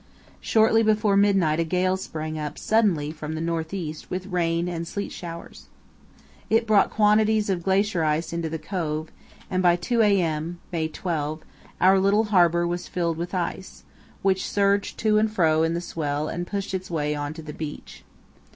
Shortly before midnight a gale sprang up suddenly from the north east with rain and sleet showers. It brought quantities of glacier ice into the cove, and by 2 a.m. (May 12) our little harbour was filled with ice, which surged to and fro in the swell and pushed its way on to the beach.